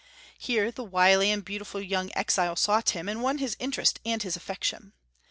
Here the wily and beautiful young exile sought him, and won his interest and his affection.